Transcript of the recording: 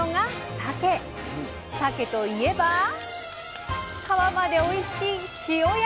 さけといえば皮までおいしい塩焼き。